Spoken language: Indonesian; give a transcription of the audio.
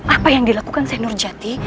apa yang dilakukan seh nurjati